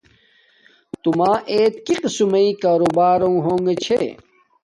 تو ما اعت کی قسم مݵ کاروبارونݣ ہوگے چھے